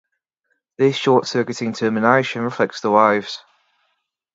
This short circuiting termination reflects the waves.